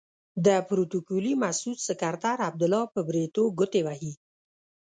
د پروتوکولي مسعود سکرتر عبدالله په بریتو ګوتې وهي.